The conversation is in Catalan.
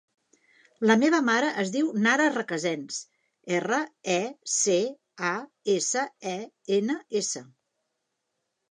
La meva mare es diu Nara Recasens: erra, e, ce, a, essa, e, ena, essa.